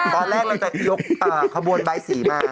ตอนแรกเราจะยกขบวนใบสีมา